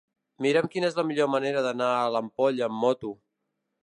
Mira'm quina és la millor manera d'anar a l'Ampolla amb moto.